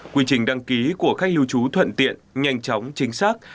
quy trình đăng ký của khách lưu trú thuận tiện nhanh chóng chính xác